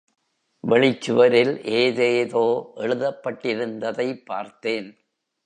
வெளிச்சுவரில் ஏதேதோ எழுதப்பட்டிருந்ததைப் பார்த்தேன்.